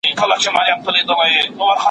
پښتو ژبه زموږ د تمدن او پرمختګ بنسټ دی